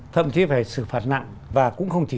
thậm chí phải xử phạt nặng và cũng không chỉ